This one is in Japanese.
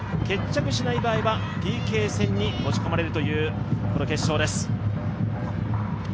決着しない場合はＰＫ戦に持ち込まれるという決勝です。